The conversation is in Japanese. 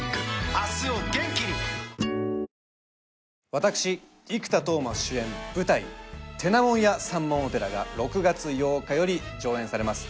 私生田斗真主演舞台『てなもんや三文オペラ』が６月８日より上演されます。